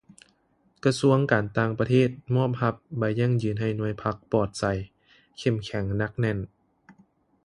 ກະຊວງການຕ່າງປະເທດ ມອບຮັບ ໃບຢັ້ງຢືນໃຫ້ໜ່ວຍພັກປອດໃສ ເຂັ້ມແຂງ ໜັກແໜ້ນ